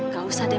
gak usah deh